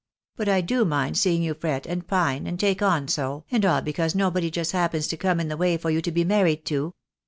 But 1 do mind seeing you fret, and pine and take on so, and all because nobody just happens to come in the way for you to be married to."